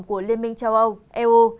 của liên minh châu âu eu